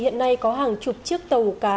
hiện nay có hàng chục chiếc tàu cá